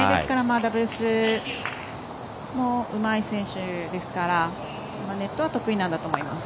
ダブルスもうまい選手ですからネットは得意なんだと思います。